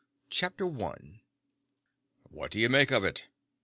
] CHAPTER I "What do you make of it?"